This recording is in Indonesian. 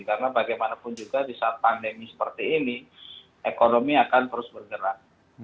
karena bagaimanapun juga di saat pandemi seperti ini ekonomi akan terus bergerak